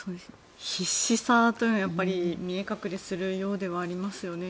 必死さというのはやっぱり見え隠れするようではありますよね。